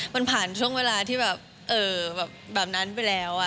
มันผ่านช่วงเวลาที่แบบนั้นไปแล้ว